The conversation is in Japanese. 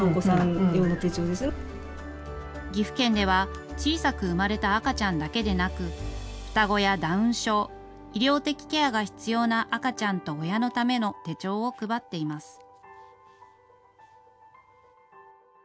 岐阜県では、小さく産まれた赤ちゃんだけでなく、双子やダウン症、医療的ケアが必要な赤ちゃんと親のための手帳を配っています。